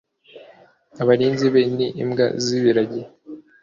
abarinzi be ni imbwa z ibiragi